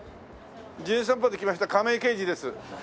『じゅん散歩』で来ました亀井刑事です。